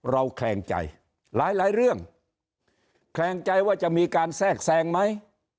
แคลงใจหลายเรื่องแคลงใจว่าจะมีการแทรกแทรงไหม